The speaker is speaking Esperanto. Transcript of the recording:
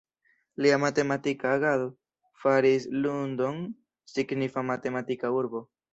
Lia matematika agado faris Lund-on signifa matematika urbo.